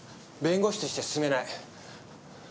弁護士として勧めない。